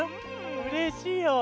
うれしいよ。